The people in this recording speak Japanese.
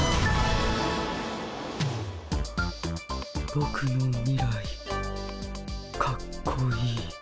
ボクの未来かっこいい。